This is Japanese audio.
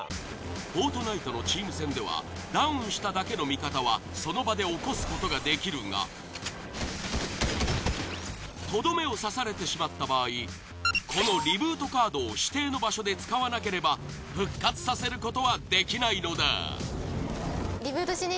『フォートナイト』のチーム戦ではダウンしただけの味方はその場で起こすことができるがトドメを刺されてしまった場合このリブートカードを指定の場所で使わなければ復活させることはできないのだ。